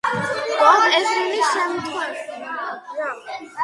ბობ ეზრინის შემოთავაზებით, მათ ბასი დაემატა.